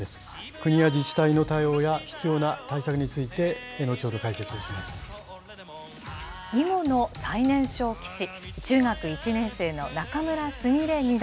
国や自治体の対応や必要な対策に囲碁の最年少棋士、中学１年生の仲邑菫二段。